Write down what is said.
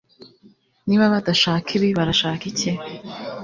Niba badashaka ibi barashaka iki